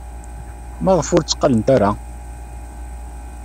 Maɣef ur tteqqalent ara?